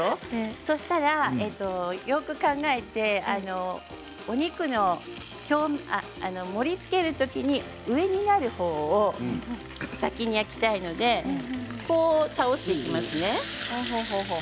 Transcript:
そうしたらよく考えてお肉を盛りつけるときに上になるほうを先に焼きたいのでこう、倒していきますね。